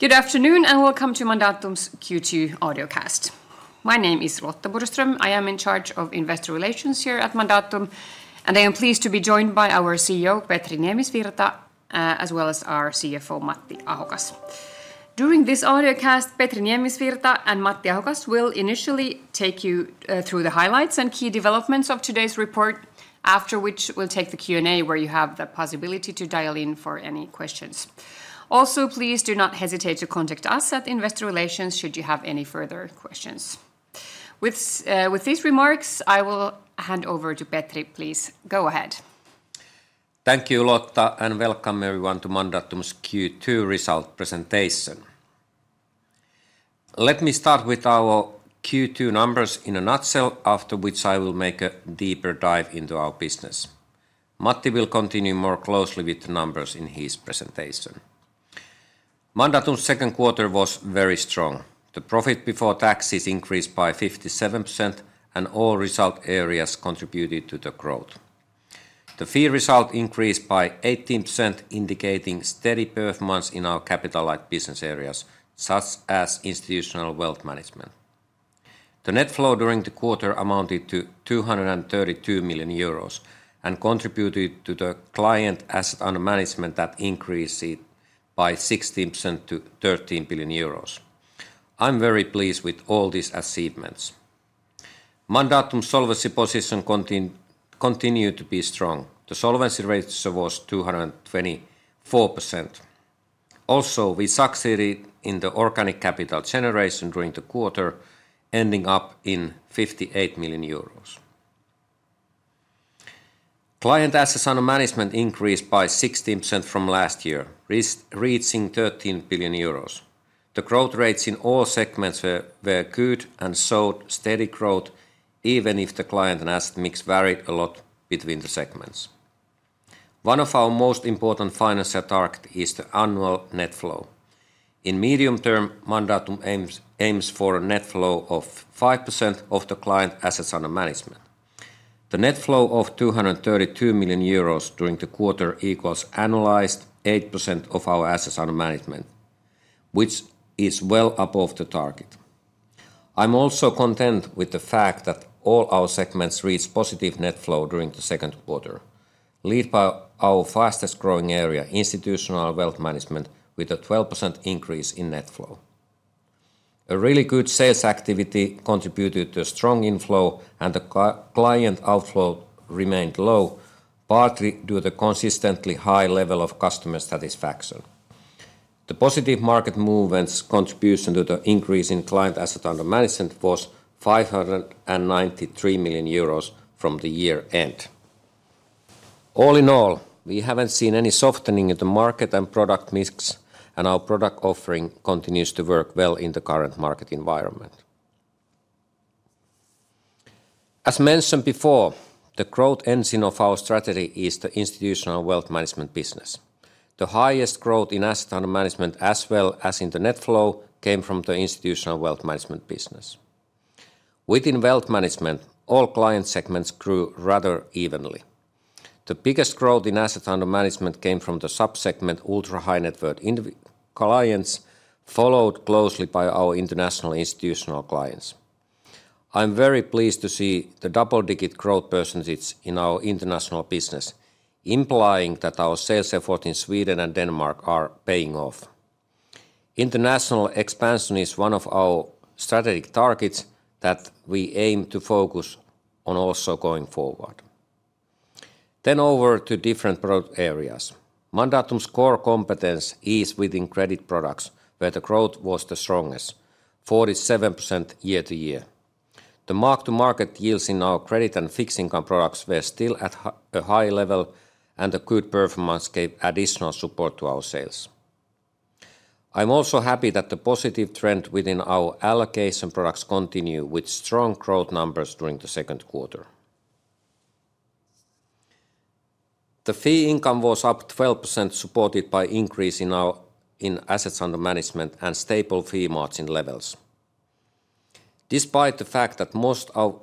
Good afternoon, and welcome to Mandatum's Q2 audiocast. My name is Lotta Borgström. I am in charge of investor relations here at Mandatum, and I am pleased to be joined by our CEO, Petri Niemisvirta, as well as our CFO, Matti Ahokas. During this audiocast, Petri Niemisvirta and Matti Ahokas will initially take you through the highlights and key developments of today's report, after which we'll take the Q&A, where you have the possibility to dial in for any questions. Also, please do not hesitate to contact us at investor relations should you have any further questions. With these remarks, I will hand over to Petri. Please, go ahead. Thank you, Lotta, and welcome everyone to Mandatum's Q2 result presentation. Let me start with our Q2 numbers in a nutshell, after which I will make a deeper dive into our business. Matti will continue more closely with the numbers in his presentation. Mandatum's second quarter was very strong. The profit before taxes increased by 57%, and all result areas contributed to the growth. The fee result increased by 18%, indicating steady performance in our capital-light business areas, such as institutional wealth management. The net flow during the quarter amounted to 232 million euros and contributed to the client asset under management that increased it by 16% to 13 billion euros. I'm very pleased with all these achievements. Mandatum solvency position continued to be strong. The solvency ratio was 224%.Also, we succeeded in the organic capital generation during the quarter, ending up in 58 million euros. Client assets under management increased by 16% from last year, reaching 13 billion euros. The growth rates in all segments were good and showed steady growth, even if the client and asset mix varied a lot between the segments. One of our most important financial target is the annual net flow. In medium term, Mandatum aims for a net flow of 5% of the client assets under management. The net flow of 232 million euros during the quarter equals annualized 8% of our assets under management, which is well above the target. I'm also content with the fact that all our segments reached positive net flow during the second quarter, led by our fastest growing area, institutional wealth management, with a 12% increase in net flow. A really good sales activity contributed to a strong inflow, and the client outflow remained low, partly due to the consistently high level of customer satisfaction. The positive market movements' contribution to the increase in client assets under management was 593 million euros from the year-end. All in all, we haven't seen any softening in the market and product mix, and our product offering continues to work well in the current market environment. As mentioned before, the growth engine of our strategy is the institutional wealth management business. The highest growth in assets under management, as well as in the net flow, came from the institutional wealth management business. Within wealth management, all client segments grew rather evenly. The biggest growth in assets under management came from the sub-segment ultra-high net worth individual clients, followed closely by our international institutional clients. I'm very pleased to see the double-digit growth percentage in our international business, implying that our sales effort in Sweden and Denmark are paying off. International expansion is one of our strategic targets that we aim to focus on also going forward. Then over to different product areas. Mandatum's core competence is within credit products, where the growth was the strongest, 47% year-over-year. The mark-to-market yields in our credit and fixed income products were still at a high level, and a good performance gave additional support to our sales. I'm also happy that the positive trend within our allocation products continue with strong growth numbers during the second quarter. The fee income was up 12%, supported by increase in our assets under management and stable fee margin levels. Despite the fact that most of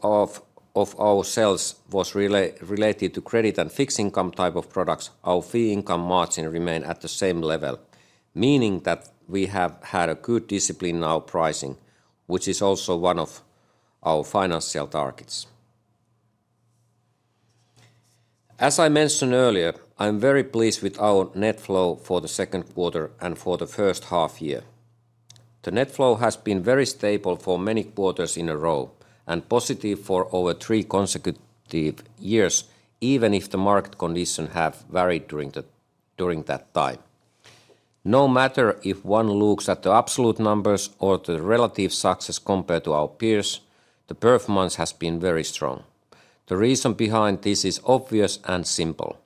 our sales was related to credit and fixed income type of products, our fee income margin remained at the same level, meaning that we have had a good discipline in our pricing, which is also one of our financial targets. As I mentioned earlier, I'm very pleased with our net flow for the second quarter and for the first half year. The net flow has been very stable for many quarters in a row and positive for over three consecutive years, even if the market conditions have varied during that time. No matter if one looks at the absolute numbers or the relative success compared to our peers, the performance has been very strong. The reason behind this is obvious and simple.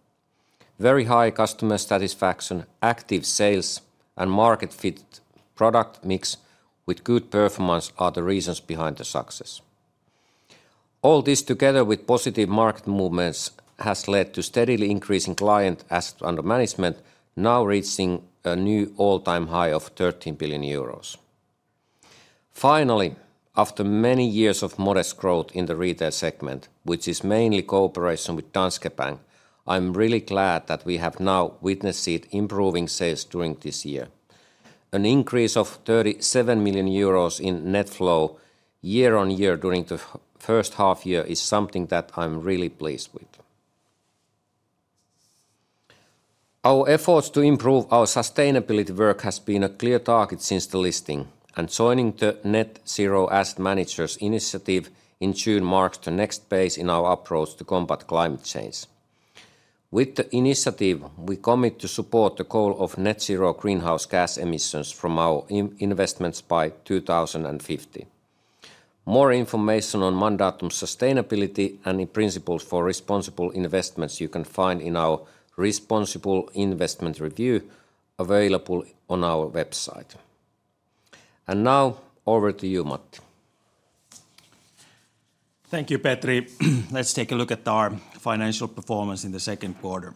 Very high customer satisfaction, active sales, and market-fit product mix with good performance are the reasons behind the success. All this, together with positive market movements, has led to steadily increasing client assets under management, now reaching a new all-time high of 13 billion euros. Finally, after many years of modest growth in the retail segment, which is mainly cooperation with Danske Bank, I'm really glad that we have now witnessed it improving sales during this year. An increase of 37 million euros in net flow year-on-year during the first half year is something that I'm really pleased with. Our efforts to improve our sustainability work has been a clear target since the listing, and joining the Net Zero Asset Managers initiative in June marks the next phase in our approach to combat climate change. With the initiative, we commit to support the goal of net zero greenhouse gas emissions from our investments by 2050. More information on Mandatum's sustainability and the principles for responsible investments you can find in our responsible investment review, available on our website. And now, over to you, Matti. Thank you, Petri. Let's take a look at our financial performance in the second quarter.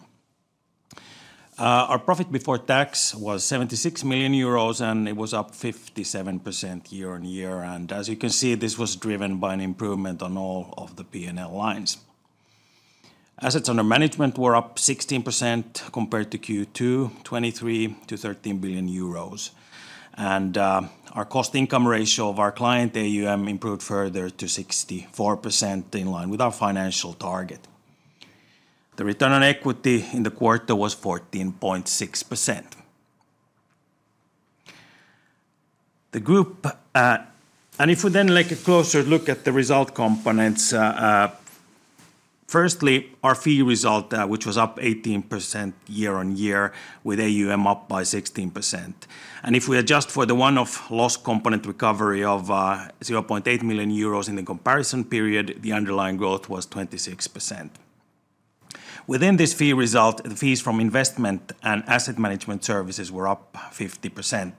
Our profit before tax was 76 million euros, and it was up 57% year-over-year. As you can see, this was driven by an improvement on all of the P&L lines. Assets under management were up 16% compared to Q2 2023 to 13 billion euros. Our cost income ratio of our client AUM improved further to 64%, in line with our financial target. The return on equity in the quarter was 14.6%. The group. If we then take a closer look at the result components, firstly, our fee result, which was up 18% year-over-year, with AUM up by 16%. If we adjust for the one-off loss component recovery of 0.8 million euros in the comparison period, the underlying growth was 26%. Within this fee result, the fees from investment and asset management services were up 50%.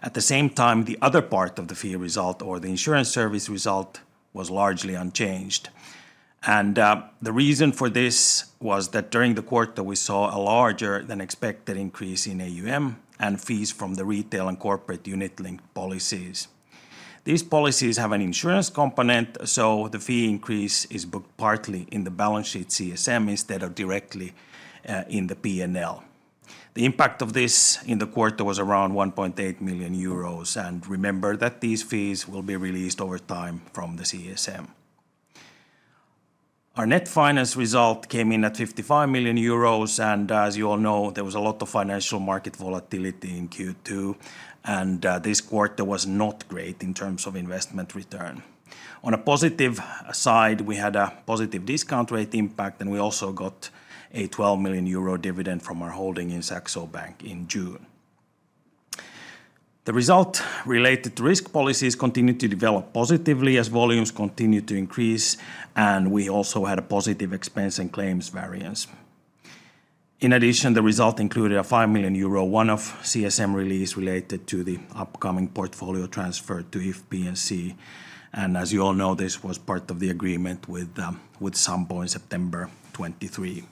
At the same time, the other part of the fee result, or the insurance service result, was largely unchanged. And the reason for this was that during the quarter, we saw a larger-than-expected increase in AUM and fees from the retail and corporate unit-linked policies. These policies have an insurance component, so the fee increase is booked partly in the balance sheet CSM instead of directly in the P&L. The impact of this in the quarter was around 1.8 million euros, and remember that these fees will be released over time from the CSM. Our net finance result came in at 55 million euros, and as you all know, there was a lot of financial market volatility in Q2, and this quarter was not great in terms of investment return. On a positive side, we had a positive discount rate impact, and we also got a 12 million euro dividend from our holding in Saxo Bank in June. The result related to risk policies continued to develop positively as volumes continued to increase, and we also had a positive expense and claims variance. In addition, the result included a 5 million euro, one-off CSM release related to the upcoming portfolio transfer to If P&C Insurance. And as you all know, this was part of the agreement with Sampo in September 2023.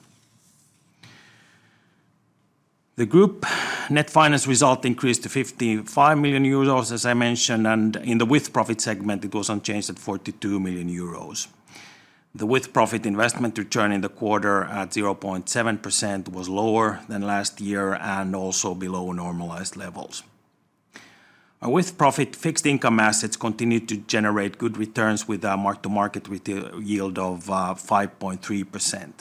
The group net finance result increased to 55 million euros, as I mentioned, and in the with-profit segment, it was unchanged at 42 million euros. The with-profit investment return in the quarter at 0.7% was lower than last year and also below normalized levels. Our with-profit fixed income assets continued to generate good returns with a mark-to-market yield of 5.3%.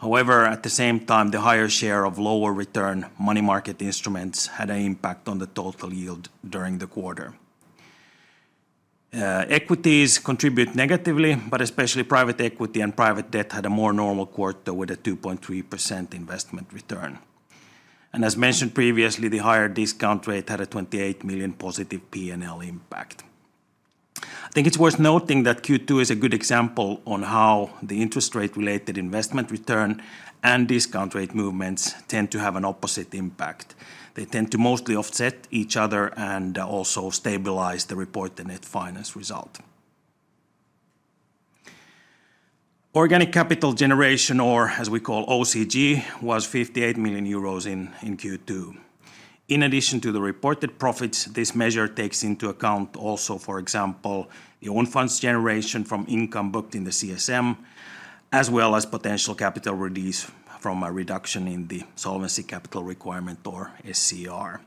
However, at the same time, the higher share of lower return money market instruments had an impact on the total yield during the quarter. Equities contribute negatively, but especially private equity and private debt had a more normal quarter with a 2.3% investment return. And as mentioned previously, the higher discount rate had a 28 million positive P&L impact. I think it's worth noting that Q2 is a good example on how the interest rate-related investment return and discount rate movements tend to have an opposite impact. They tend to mostly offset each other and also stabilize the reported net finance result. Organic capital generation, or as we call OCG, was 58 million euros in Q2. In addition to the reported profits, this measure takes into account also, for example, the own funds generation from income booked in the CSM, as well as potential capital release from a reduction in the solvency capital requirement or SCR.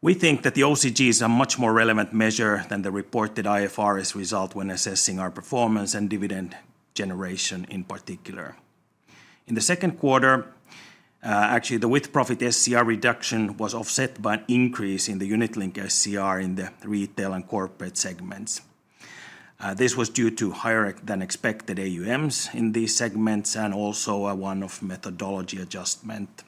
We think that the OCG is a much more relevant measure than the reported IFRS result when assessing our performance and dividend generation in particular. In the second quarter, actually, the with-profit SCR reduction was offset by an increase in the unit-linked SCR in the retail and corporate segments. This was due to higher-than-expected AUMs in these segments and also a one-off methodology adjustment.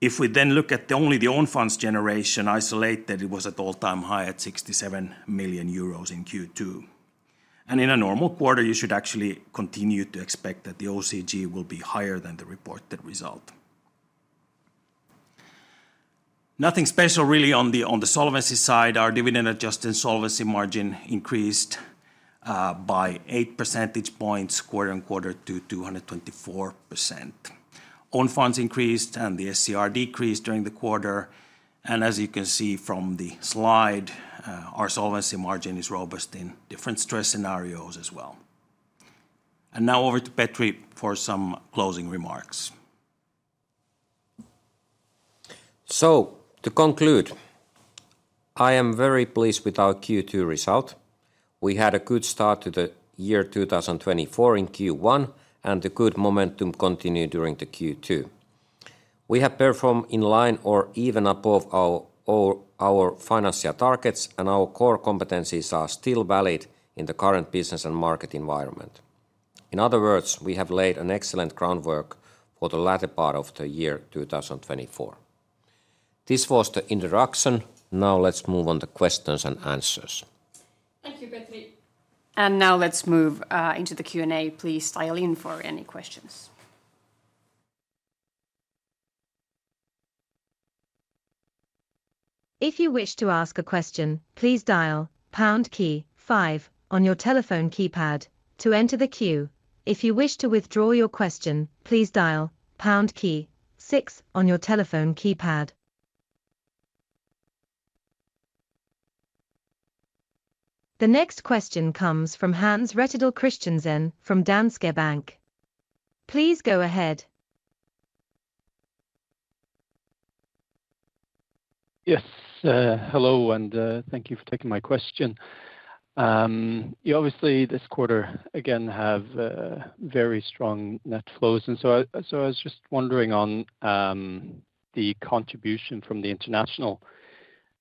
If we then look at only the own funds generation isolated, it was at all-time high at 67 million euros in Q2. In a normal quarter, you should actually continue to expect that the OCG will be higher than the reported result. Nothing special really on the solvency side. Our dividend-adjusted solvency margin increased by 8 percentage points quarter and quarter to 224%. Own funds increased and the SCR decreased during the quarter, and as you can see from the slide, our solvency margin is robust in different stress scenarios as well. Now over to Petri for some closing remarks. To conclude, I am very pleased with our Q2 result. We had a good start to the year 2024 in Q1, and the good momentum continued during the Q2. We have performed in line or even above our financial targets, and our core competencies are still valid in the current business and market environment. In other words, we have laid an excellent groundwork for the latter part of the year 2024. This was the introduction. Now let's move on to questions and answers. Thank you, Petri. Now let's move into the Q&A. Please dial in for any questions. If you wish to ask a question, please dial pound key five on your telephone keypad to enter the queue. If you wish to withdraw your question, please dial pound key six on your telephone keypad. The next question comes from Hans Rettedal Christiansen from Danske Bank. Please go ahead. Yes, hello, and thank you for taking my question. You obviously, this quarter, again, have very strong net flows, and so I was just wondering on the contribution from the international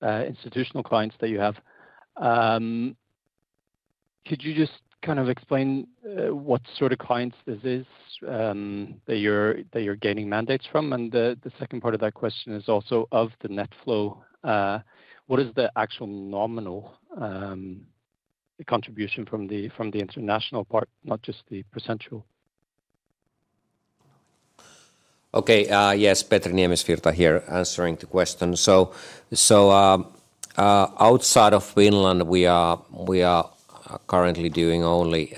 institutional clients that you have. Could you just kind of explain what sort of clients this is that you're gaining mandates from? And the second part of that question is also, of the net flow, what is the actual nominal contribution from the international part, not just the percentual? Okay, yes, Petri Niemisvirta here, answering the question. So, outside of Finland, we are currently doing only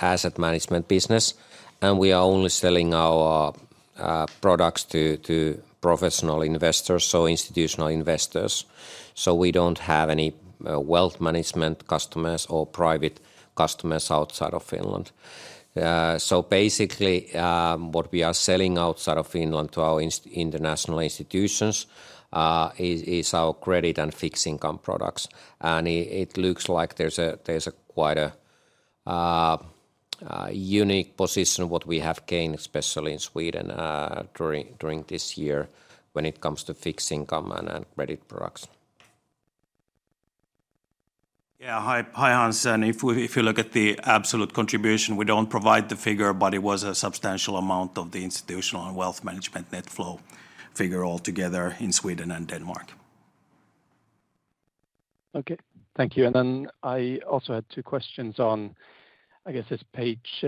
asset management business, and we are only selling our products to professional investors, so institutional investors. So we don't have any wealth management customers or private customers outside of Finland. So basically, what we are selling outside of Finland to our international institutions is our credit and fixed-income products. And it looks like there's quite a unique position what we have gained, especially in Sweden, during this year, when it comes to fixed income and credit products. Yeah, hi, Hans. And if you look at the absolute contribution, we don't provide the figure, but it was a substantial amount of the institutional and wealth management net flow figure altogether in Sweden and Denmark. Okay. Thank you. And then I also had two questions on, I guess, it's page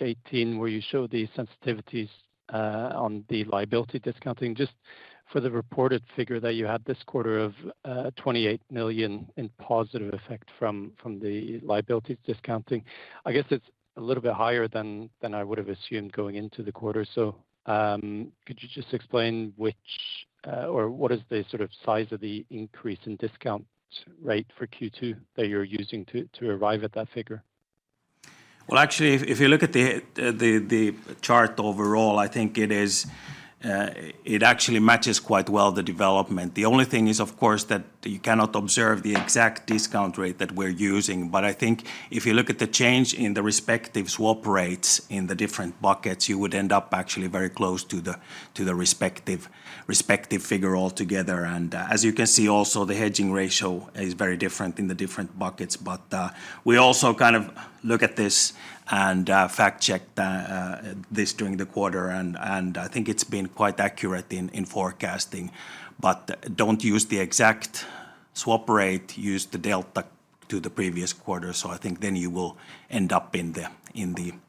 18, where you show the sensitivities on the liability discounting. Just for the reported figure that you had this quarter of 28 million in positive effect from the liabilities discounting, I guess it's a little bit higher than I would have assumed going into the quarter. So, could you just explain which or what is the sort of size of the increase in discount rate for Q2 that you're using to arrive at that figure? Well, actually, if you look at the chart overall, I think it is, it actually matches quite well the development. The only thing is, of course, that you cannot observe the exact discount rate that we're using. But I think if you look at the change in the respective swap rates in the different buckets, you would end up actually very close to the respective figure altogether. And, as you can see also, the hedging ratio is very different in the different buckets. But, we also kind of look at this and fact-check this during the quarter, and I think it's been quite accurate in forecasting. But don't use the exact swap rate, use the delta to the previous quarter, so I think then you will end up in the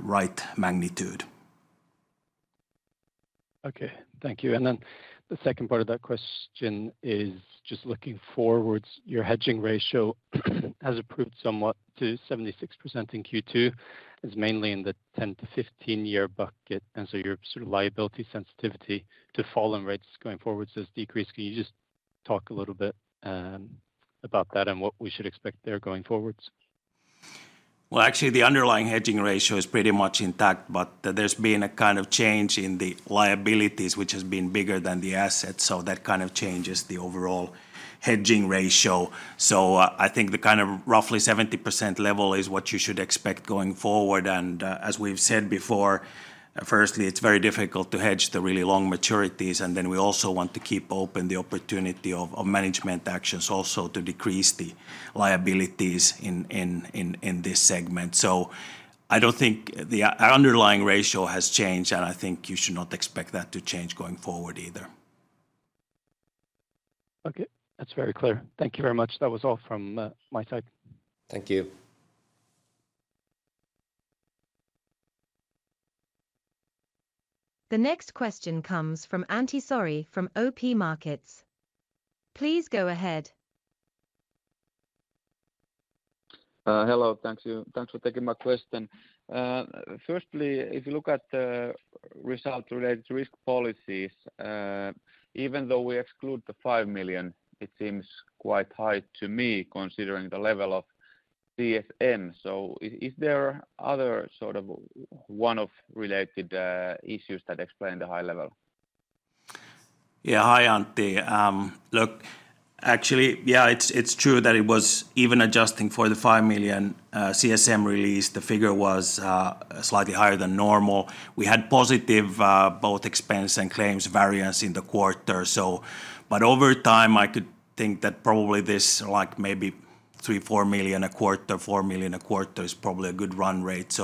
right magnitude. Okay. Thank you. And then the second part of that question is just looking forwards. Your hedging ratio has improved somewhat to 76% in Q2, is mainly in the 10- to 15-year bucket, and so your sort of liability sensitivity to fallen rates going forwards has decreased. Can you just talk a little bit about that and what we should expect there going forwards? Well, actually, the underlying hedging ratio is pretty much intact, but there's been a kind of change in the liabilities, which has been bigger than the assets, so that kind of changes the overall hedging ratio. So, I think the kind of roughly 70% level is what you should expect going forward. And, as we've said before, firstly, it's very difficult to hedge the really long maturities, and then we also want to keep open the opportunity of management actions also to decrease the liabilities in this segment. So I don't think the underlying ratio has changed, and I think you should not expect that to change going forward either. Okay. That's very clear. Thank you very much. That was all from my side. Thank you. The next question comes from Antti Saari from OP Markets. Please go ahead. Hello. Thank you. Thanks for taking my question. Firstly, if you look at the result-related to risk policies, even though we exclude the 5 million, it seems quite high to me, considering the level of CSM. So is there other sort of one-off related issues that explain the high level? Yeah. Hi, Antti. Look, actually, yeah, it's true that it was even adjusting for the 5 million CSM release, the figure was slightly higher than normal. We had positive both expense and claims variance in the quarter. But over time, I could think that probably this, like, maybe 3-4 million a quarter, 4 million a quarter is probably a good run rate.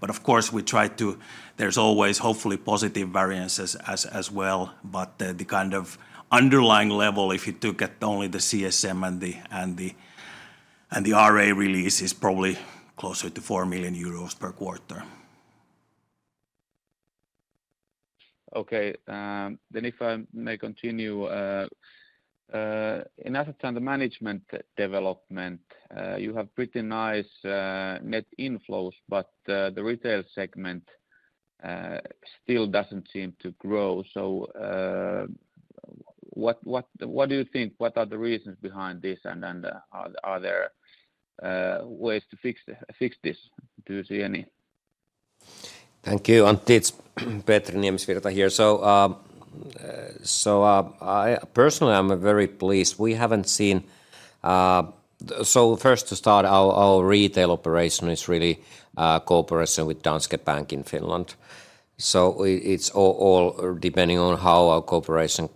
But of course, we try to. There's always hopefully positive variances as well, but the kind of underlying level, if you look at only the CSM and the RA release, is probably closer to 4 million euros per quarter. Okay. Then if I may continue, in asset and wealth management developments, you have pretty nice net inflows, but the retail segment still doesn't seem to grow. So, what do you think? What are the reasons behind this, and then, are there ways to fix this? Do you see any? Thank you, Antti. Petri Niemisvirta here. So, personally, I'm very pleased. We haven't seen. First to start, our retail operation is really cooperation with Danske Bank in Finland. So it's all depending on how our cooperation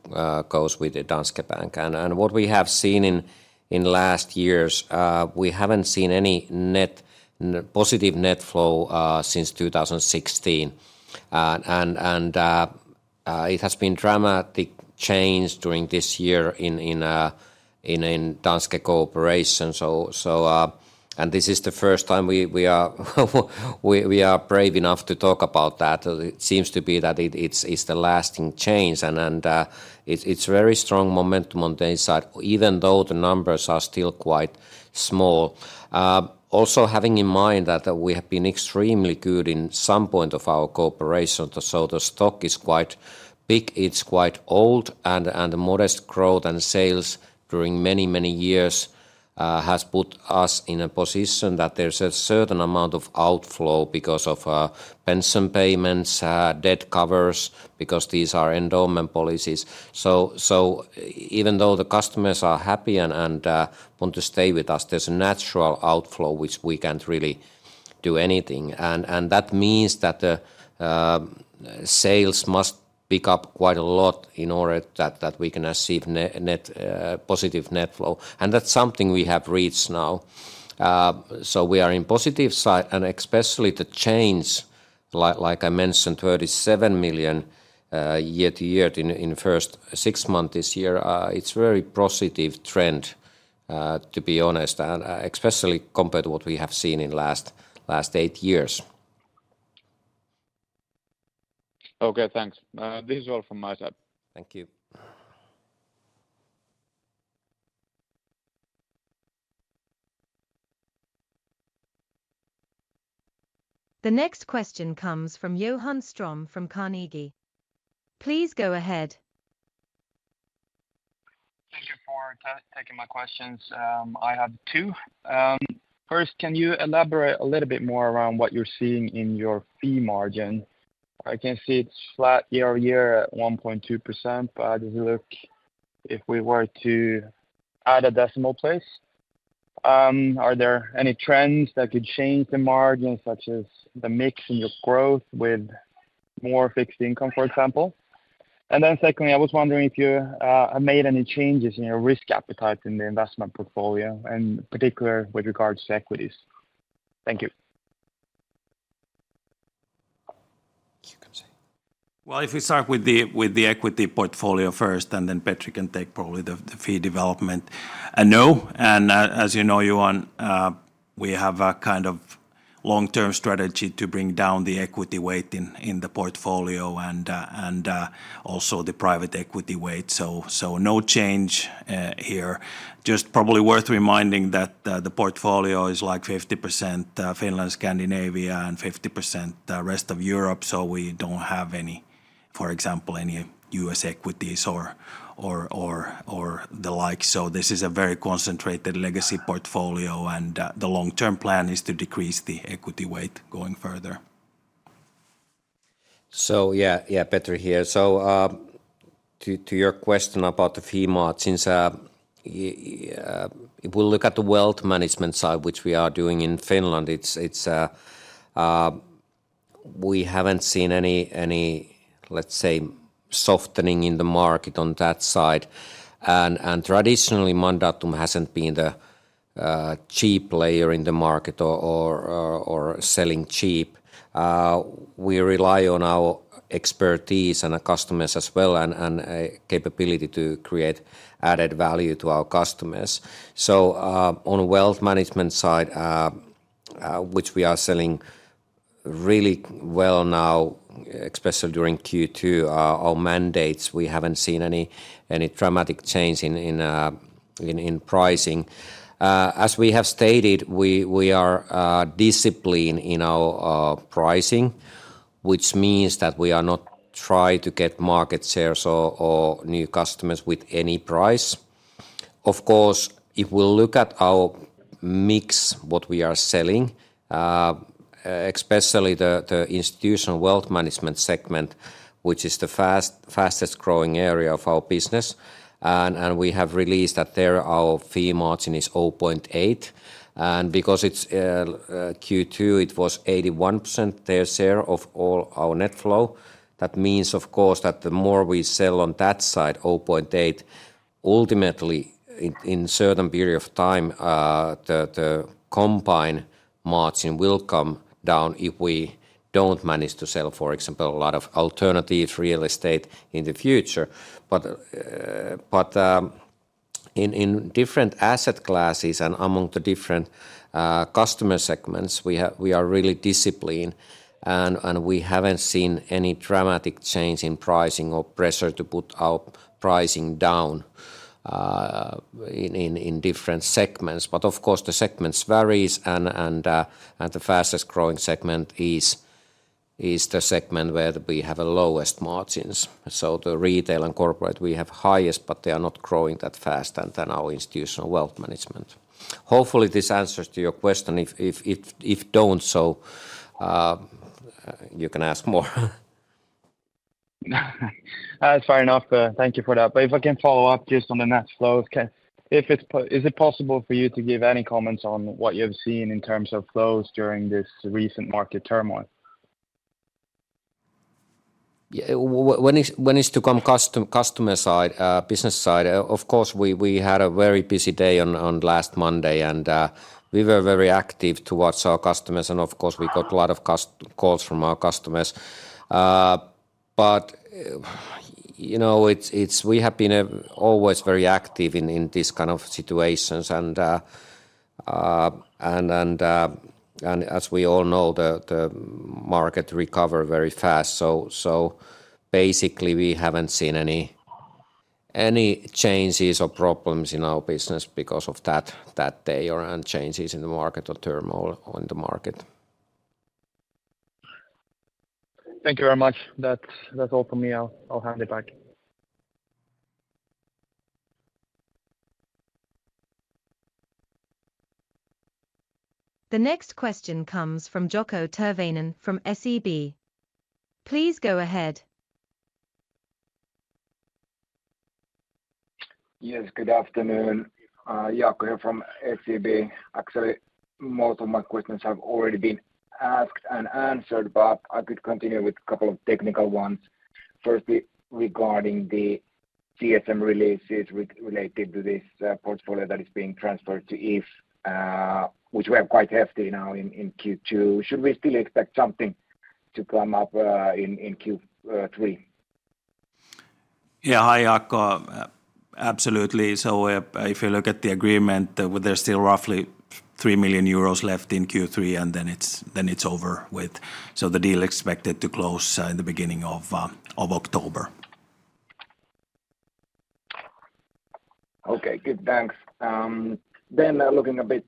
goes with the Danske Bank. And what we have seen in last years, we haven't seen any net positive net flow since 2016. And it has been dramatic change during this year in Danske cooperation. And this is the first time we are brave enough to talk about that. It seems to be that it's the lasting change, and then it's very strong momentum on the inside, even though the numbers are still quite small. Also, having in mind that we have been extremely good at some point of our cooperation, so the stock is quite big, it's quite old, and modest growth and sales during many, many years has put us in a position that there's a certain amount of outflow because of pension payments, death covers, because these are endowment policies. So even though the customers are happy and want to stay with us, there's a natural outflow which we can't really do anything. And that means that the sales must pick up quite a lot in order that we can achieve net positive net flow, and that's something we have reached now. We are on the positive side, and especially the change, like I mentioned, 37 million year-over-year in the first six months this year. It's a very positive trend, to be honest, and especially compared to what we have seen in the last eight years. Okay, thanks. This is all from my side. Thank you. The next question comes from Johan Ström from Carnegie. Please go ahead. Thank you for taking my questions. I have two. First, can you elaborate a little bit more around what you're seeing in your fee margin? I can see it's flat year-over-year at 1.2%, but does it look... If we were to add a decimal place, are there any trends that could change the margin, such as the mix in your growth with more fixed income, for example? And then secondly, I was wondering if you made any changes in your risk appetite in the investment portfolio, and particular with regards to equities. Thank you. You can say. Well, if we start with the equity portfolio first, and then Petri can take probably the fee development. No, and as you know, Johan, we have a kind of long-term strategy to bring down the equity weight in the portfolio and also the private equity weight. So no change here. Just probably worth reminding that the portfolio is, like, 50% Finland, Scandinavia, and 50% the rest of Europe, so we don't have any, for example, any US equities or the likes. So this is a very concentrated legacy portfolio, and the long-term plan is to decrease the equity weight going further. So, yeah, Petri here. So, to your question about the fee margins, if we look at the wealth management side, which we are doing in Finland, it's, we haven't seen any, let's say, softening in the market on that side. And traditionally, Mandatum hasn't been the cheap player in the market or selling cheap. We rely on our expertise and our customers as well, and capability to create added value to our customers. So, on the wealth management side, which we are selling really well now, especially during Q2. Our mandates, we haven't seen any dramatic change in pricing. As we have stated, we are disciplined in our pricing, which means that we are not trying to get market shares or new customers with any price. Of course, if we look at our mix, what we are selling, especially the institutional wealth management segment, which is the fastest growing area of our business, and we have released that there our fee margin is 0.8. And because it's Q2, it was 81%, their share of all our net flow. That means, of course, that the more we sell on that side, 0.8, ultimately, in certain period of time, the combined margin will come down if we don't manage to sell, for example, a lot of alternative real estate in the future. But in different asset classes and among the different customer segments, we are really disciplined, and we haven't seen any dramatic change in pricing or pressure to put our pricing down, in different segments. But of course, the segments varies, and the fastest growing segment is the segment where we have the lowest margins. So the retail and corporate, we have highest, but they are not growing that fast, and then our institutional wealth management. Hopefully, this answers to your question. If don't, so, you can ask more. That's fair enough. Thank you for that. But if I can follow up just on the net flows. Okay. If it's possible for you to give any comments on what you've seen in terms of flows during this recent market turmoil? Yeah. When it's to the customer side, business side, of course, we had a very busy day on last Monday, and we were very active towards our customers, and of course, we got a lot of calls from our customers. But, you know, it's... We have been always very active in these kind of situations, and as we all know, the market recover very fast. So basically, we haven't seen any changes or problems in our business because of that day, or and changes in the market or turmoil on the market. Thank you very much. That's all for me. I'll hand it back. The next question comes from Jaakko Tyrväinen from SEB. Please go ahead. Yes, good afternoon. Jaakko here from SEB. Actually, most of my questions have already been asked and answered, but I could continue with a couple of technical ones. Firstly, regarding the CSM releases related to this portfolio that is being transferred to If, which we have quite hefty now in Q2. Should we still expect something to come up in Q3? Yeah. Hi, Jaakko. Absolutely. So if you look at the agreement, there's still roughly 3 million euros left in Q3, and then it's over with. So the deal expected to close in the beginning of October. Okay, good, thanks. Then looking a bit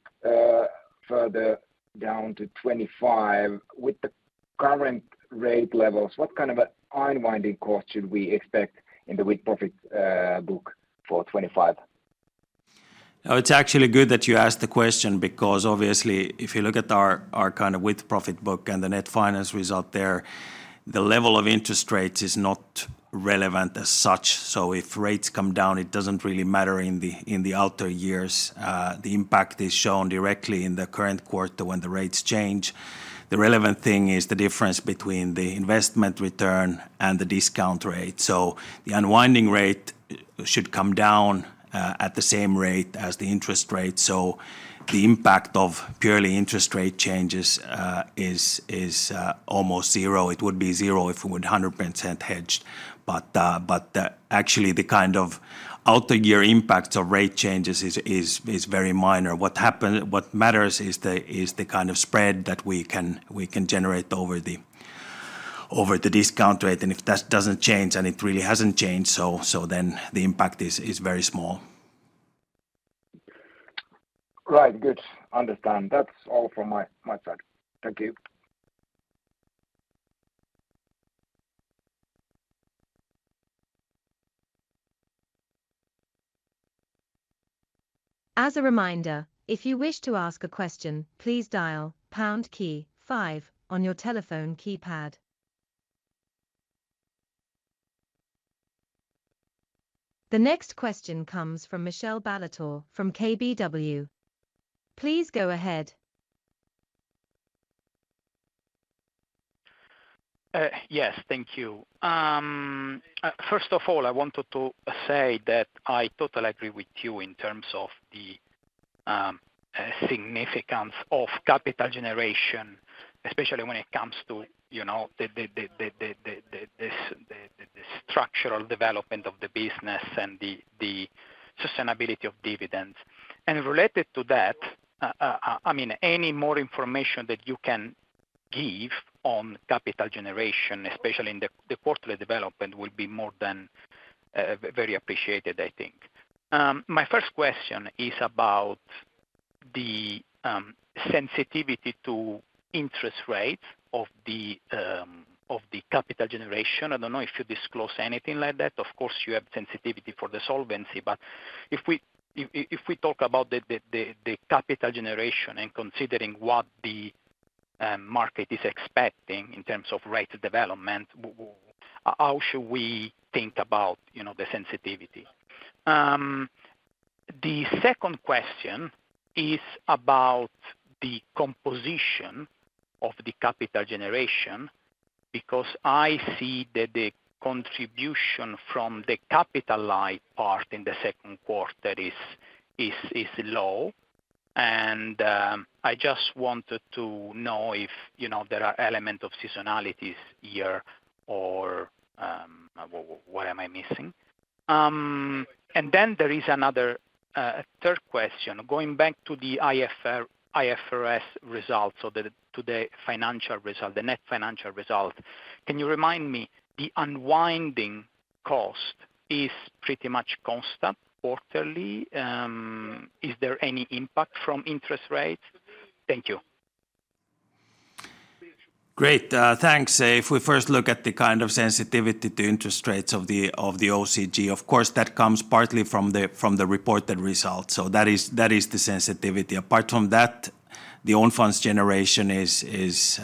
further down to 25, with the current rate levels, what kind of a unwinding cost should we expect in the with-profit book for 2025? Oh, it's actually good that you asked the question because obviously, if you look at our kind of with-profit book and the net finance result there, the level of interest rates is not relevant as such. So if rates come down, it doesn't really matter in the outer years. The impact is shown directly in the current quarter when the rates change. The relevant thing is the difference between the investment return and the discount rate. So the unwinding rate should come down at the same rate as the interest rate. So the impact of purely interest rate changes is almost zero. It would be zero if it were 100% hedged. But actually, the kind of outer year impacts of rate changes is very minor. What matters is the kind of spread that we can generate over the discount rate, and if that doesn't change, and it really hasn't changed, so then the impact is very small. Right. Good. Understand. That's all from my, my side. Thank you. As a reminder, if you wish to ask a question, please dial pound key five on your telephone keypad. The next question comes from Michele Ballatore from KBW. Please go ahead. Yes, thank you. First of all, I wanted to say that I totally agree with you in terms of the significance of capital generation, especially when it comes to, you know, the structural development of the business and the sustainability of dividends. Related to that, I mean, any more information that you can give on capital generation, especially in the quarterly development, will be more than very appreciated, I think. My first question is about the sensitivity to interest rates of the capital generation. I don't know if you disclose anything like that. Of course, you have sensitivity for the solvency. But if we talk about the capital generation and considering what the market is expecting in terms of rate development, how should we think about, you know, the sensitivity? The second question is about the composition of the capital generation, because I see that the contribution from the capital light part in the second quarter is low. And I just wanted to know if, you know, there are element of seasonalities here or what am I missing? And then there is another third question. Going back to the IFRS results, so to the financial result, the net financial result, can you remind me the unwinding cost is pretty much constant quarterly? Is there any impact from interest rates? Thank you. Great. Thanks. If we first look at the kind of sensitivity to interest rates of the OCG, of course, that comes partly from the reported results, so that is the sensitivity. Apart from that, the own funds generation is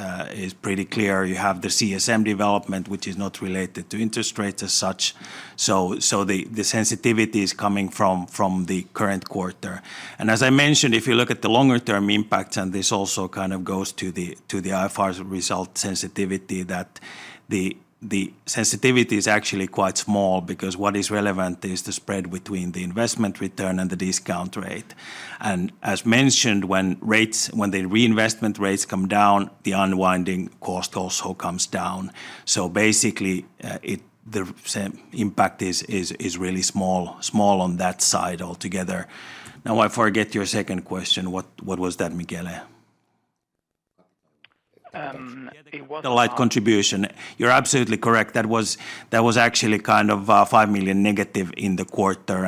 pretty clear. You have the CSM development, which is not related to interest rates as such, so the sensitivity is coming from the current quarter. And as I mentioned, if you look at the longer-term impact, and this also kind of goes to the IFRS result sensitivity, that the sensitivity is actually quite small, because what is relevant is the spread between the investment return and the discount rate. And as mentioned, when the reinvestment rates come down, the unwinding cost also comes down. So basically, the same impact is really small on that side altogether. Now, I forget your second question. What was that, Michele? The light contribution. You're absolutely correct. That was actually kind of 5 million negative in the quarter.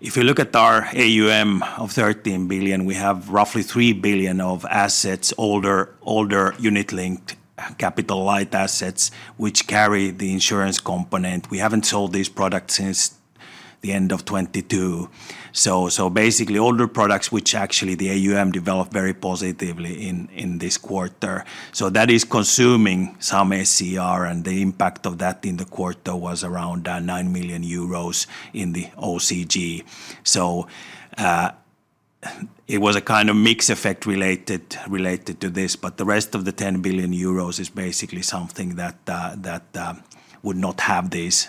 If you look at our AUM of 13 billion, we have roughly 3 billion of assets, older unit-linked capital light assets, which carry the insurance component. We haven't sold these products since the end of 2022. So basically, older products, which actually the AUM developed very positively in this quarter. So that is consuming some SCR, and the impact of that in the quarter was around 9 million euros in the OCG. So it was a kind of mix effect related to this, but the rest of the 10 billion euros is basically something that would not have these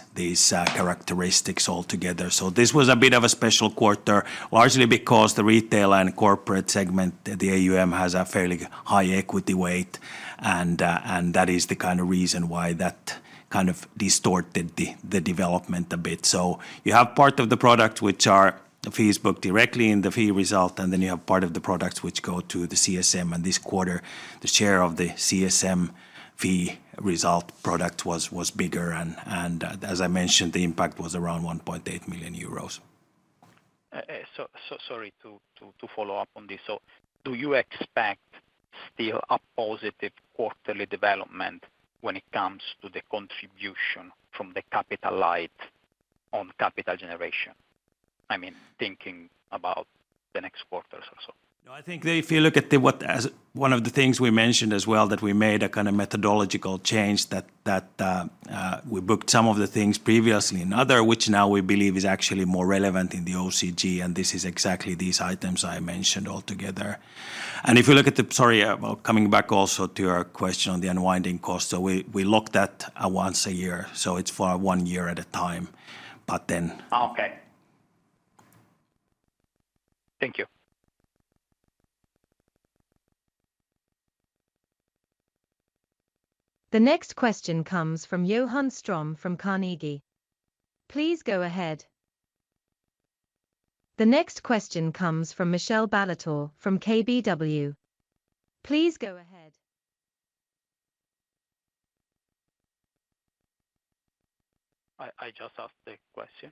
characteristics altogether. So this was a bit of a special quarter, largely because the retail and corporate segment, the AUM, has a fairly high equity weight, and that is the kind of reason why that kind of distorted the development a bit. So you have part of the product which are fees booked directly in the fee result, and then you have part of the products which go to the CSM. And this quarter, the share of the CSM fee result product was bigger, and as I mentioned, the impact was around 1.8 million euros. So sorry to follow up on this. So do you expect still a positive quarterly development when it comes to the contribution from the capital light on capital generation? I mean, thinking about the next quarters or so. No, I think if you look at the what... As one of the things we mentioned as well, that we made a kind of methodological change, that we booked some of the things previously in other, which now we believe is actually more relevant in the OCG, and this is exactly these items I mentioned altogether. And if you look at the... Sorry, coming back also to your question on the unwinding cost. So we look at it once a year, so it's for one year at a time, but then- Okay. Thank you. The next question comes from Johan Ström from Carnegie. Please go ahead. The next question comes from Michele Ballatore from KBW. Please go ahead. I just asked the question.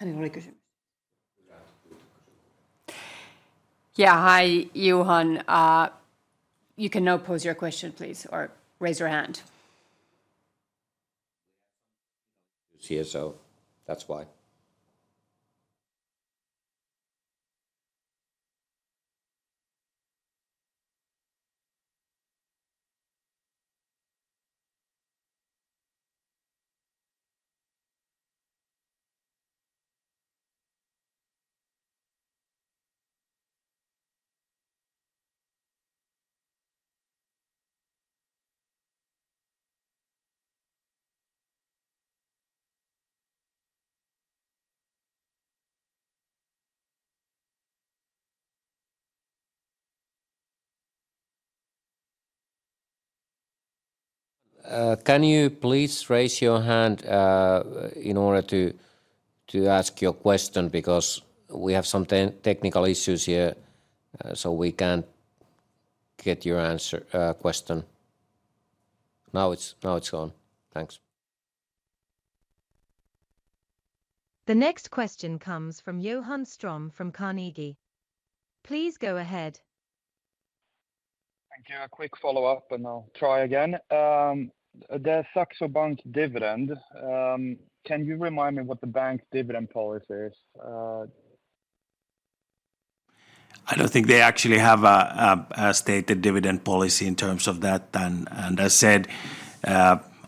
Any more questions? Yeah, hi, Johan. You can now pose your question, please, or raise your hand. CSO, that's why. Can you please raise your hand in order to ask your question? Because we have some technical issues here, so we can't get your question. Now it's on. Thanks. The next question comes from Johan Ström from Carnegie. Please go ahead. Thank you. A quick follow-up, and I'll try again. The Saxo Bank dividend, can you remind me what the bank dividend policy is? I don't think they actually have a stated dividend policy in terms of that. As said,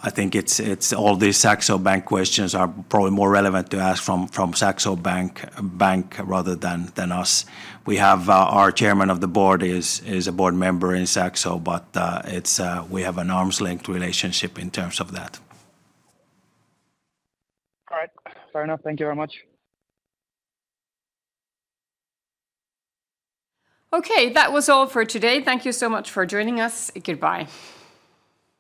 I think it's all the Saxo Bank questions are probably more relevant to ask from Saxo Bank rather than us. We have our chairman of the board is a board member in Saxo, but we have an arm's length relationship in terms of that. All right. Fair enough. Thank you very much. Okay, that was all for today. Thank you so much for joining us. Goodbye.